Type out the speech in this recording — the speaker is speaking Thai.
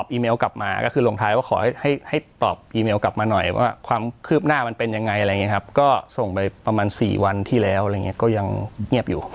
ประมาณ๔วันที่แล้วอะไรอย่างนี้ก็ยังเงียบอยู่